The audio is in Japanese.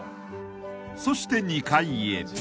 ［そして２階へ］